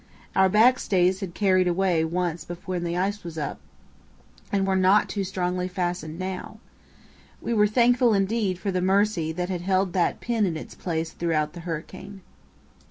Our backstays had carried away once before when iced up and were not too strongly fastened now. We were thankful indeed for the mercy that had held that pin in its place throughout the hurricane.